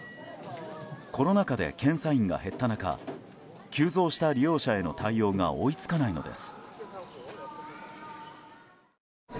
コロナ禍で検査員が減った中急増した利用者への対応が追いつかないのです。